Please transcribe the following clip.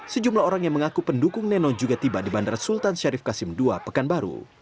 sejumlah orang yang mengaku pendukung neno juga tiba di bandara sultan syarif kasim ii pekanbaru